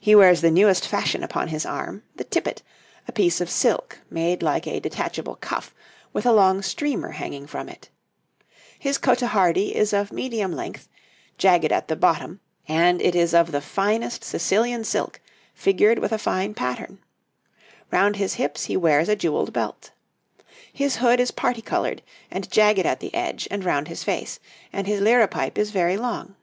He wears the newest fashion upon his arm, the tippet, a piece of silk which is made like a detachable cuff with a long streamer hanging from it; his cotehardie is of medium length, jagged at the bottom, and it is of the finest Sicilian silk, figured with a fine pattern; round his hips he wears a jewelled belt. His hood is parti coloured and jagged at the edge and round his face, and his liripipe is very long.